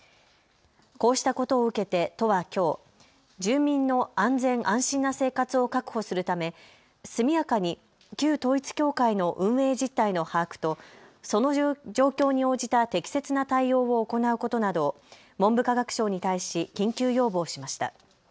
こうしたことを受けて都はきょう、住民の安全・安心な生活を確保するため速やかに旧統一教会の運営実態の把握とその状況に応じた適切な対応を行うことなど文部科学省に対し緊急要望しました。